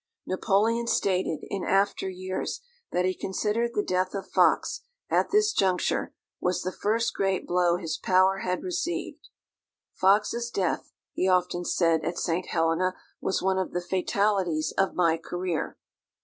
Napoleon stated, in after years, that he considered the death of Fox, at this juncture, was the first great blow his power had received. "Fox's death," he often said at St. Helena, "was one of the fatalities of my career."